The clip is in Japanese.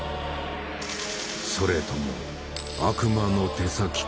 それとも悪魔の手先か？